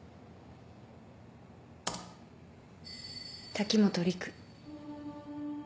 滝本陸。